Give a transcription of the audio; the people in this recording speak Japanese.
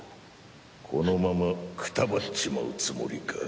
このままくたばっちまうつもりか？